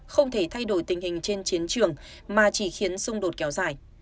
không thể thay đổi tình hình trên chiến trường mà chỉ khiến xung đột kéo dài